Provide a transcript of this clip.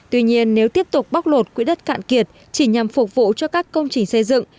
tuy nhiên nếu tiếp tục bóc lột quỹ đất cạn kiệt chỉ nhằm phục vụ cho các công trình xây dựng